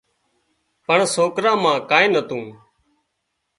پڻ سوڪرا مان ڪانين نتون